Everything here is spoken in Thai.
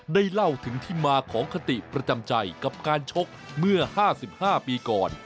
ได้เล่าถึงที่มาของคติประจำใจกับการชกเมื่อ๕๕ปีก่อน